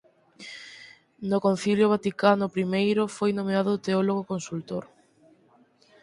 No Concilio Vaticano I foi nomeado teólogo consultor.